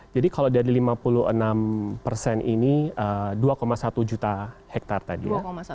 jadi kalau dari lima puluh enam persen ini dua satu juta hektar tadi